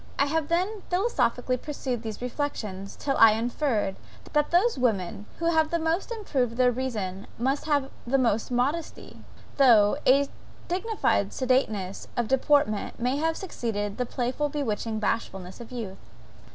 I have then philosophically pursued these reflections till I inferred, that those women who have most improved their reason must have the most modesty though a dignified sedateness of deportment may have succeeded the playful, bewitching bashfulness of youth.